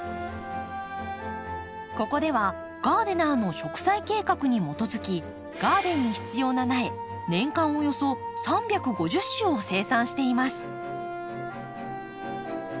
ここではガーデナーの植栽計画に基づきガーデンに必要な苗年間およそ３５０種を生産しています。